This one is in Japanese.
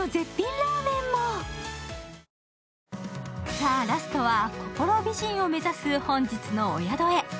さあ、ラストは心美人を目指す本日のお宿へ。